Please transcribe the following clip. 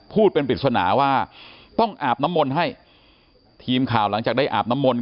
พูดเป็นปริศนาว่าต้องอาบน้ำมนต์ให้ทีมข่าวหลังจากได้อาบน้ำมนต์